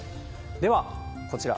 では、こちら。